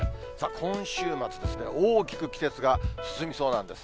今週末ですね、大きく季節が進みそうなんです。